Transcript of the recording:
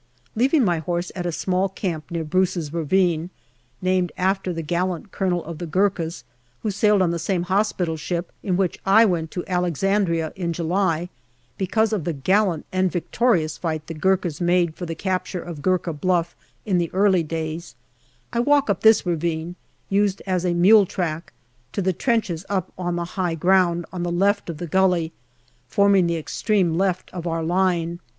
Leaving my horse at a small camp near Bruce's Ravine named after the gallant Colonel of the Gurkhas, who sailed on the same hospital ship in which I went to Alexandria in July, because of the gallant and victorious fight the Gurkhas made for the capture of Gurkha Bluff, in the early days I walk up this ravine, used as a mule track, to the trenches up on the high ground on the left of the gully, forming the extreme left of our line.